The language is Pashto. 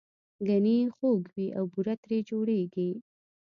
ګنی خوږ وي او بوره ترې جوړیږي